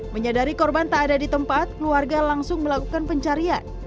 menyadari korban tak ada di tempat keluarga langsung melakukan pencarian